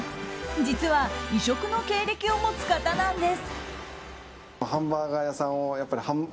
実は異色の経歴を持つ方なんです。